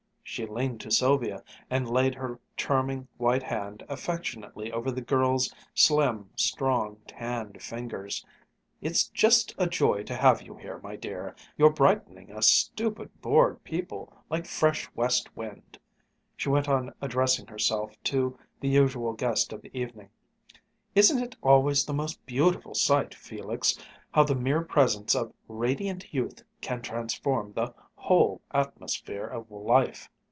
She leaned to Sylvia and laid her charming white hand affectionately over the girl's slim, strong, tanned fingers. "It's just a joy to have you here, my dear. You're brightening us stupid, bored people like fresh west wind!" She went on addressing herself to the usual guest of the evening: "Isn't it always the most beautiful sight, Felix, how the mere presence of radiant youth can transform the whole atmosphere of life!"